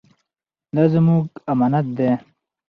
دا زموږ امانت دی.